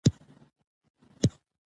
هغه د پښتو ادب یو مهم څېره وه.